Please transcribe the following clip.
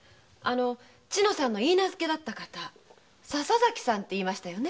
千乃さんの許婚だった方は笹崎さんていいましたよね。